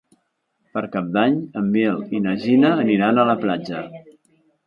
Per Cap d'Any en Biel i na Gina aniran a la platja.